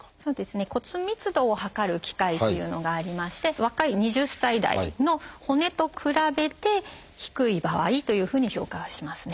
骨密度を測る機械っていうのがありまして若い２０歳代の骨と比べて低い場合というふうに評価はしますね。